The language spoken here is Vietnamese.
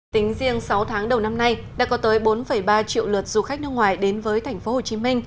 tính riêng sáu tháng đầu năm nay đã có tới bốn ba triệu lượt du khách nước ngoài đến với tp hcm